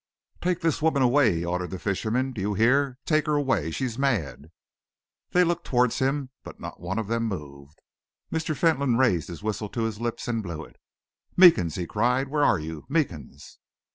"Take this woman away!" he ordered the fishermen. "Do you hear? Take her away; she is mad!" They looked towards him, but not one of them moved. Mr. Fentolin raised his whistle to his lips, and blew it. "Meekins!" he cried. "Where are you, Meekins?"